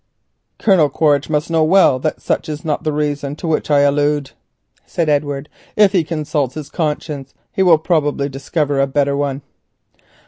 "Colonel Quaritch must know well that this is not the reason to which I allude," said Edward. "If he consults his conscience he will probably discover a better one."